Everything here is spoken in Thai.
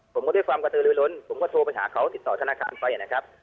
ผมก็ด้วยความกระตือลือล้นผมก็โทรไปหาเขาติดต่อธนาคารไปนะครับ